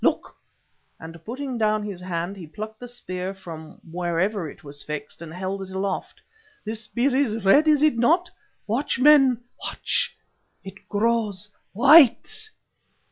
Look!" and putting down his hand, he plucked the spear from wherever it was fixed, and held it aloft. "The spear is red, is it not? Watch, men, watch! _it grows white!